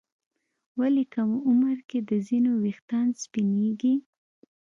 ولې کم عمر کې د ځینو ويښتان سپینېږي؟